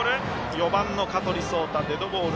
４番の香取蒼太、デッドボール。